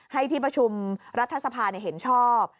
ให้ที่ประชุมรัฐสภาเห็นชอบ